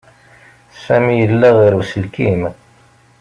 Sami yella ɣer uselkim.